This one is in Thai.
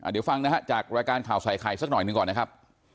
เดี๋ยวฟังนะฮะจากรายการข่าวใส่ไข่สักหน่อยหนึ่งก่อนนะครับ